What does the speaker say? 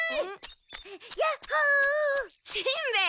しんべヱ！